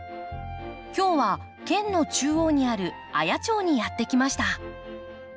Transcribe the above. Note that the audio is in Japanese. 今日は県の中央にある綾町にやって来ました。